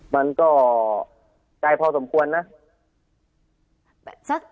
มันก็ไกลพอสมควรนะ